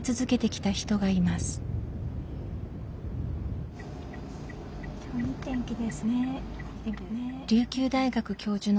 今日はいい天気ですね。